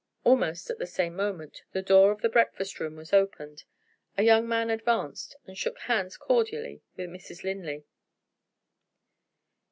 Almost at the same moment, the door of the breakfast room was opened. A young man advanced, and shook hands cordially with Mrs. Linley.